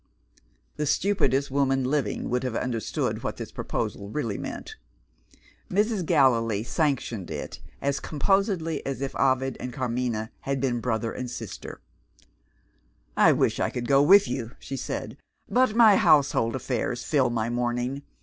The stupidest woman living would have understood what this proposal really meant. Mrs. Gallilee sanctioned it as composedly as if Ovid and Carmina had been brother and sister. "I wish I could go with you," she said, "but my household affairs fill my morning.